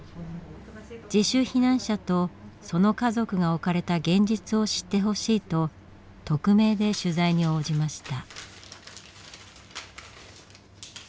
自主避難者とその家族が置かれた現実を知ってほしいと匿名で取材に応じました。